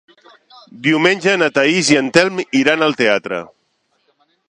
Diumenge na Thaís i en Telm iran al teatre.